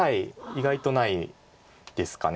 意外とないんですかね。